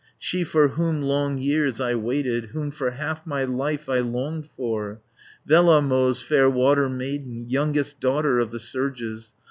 "She for whom long years I waited, 180 Whom for half my life I longed for, Vellamo's fair water maiden, Youngest daughter of the surges.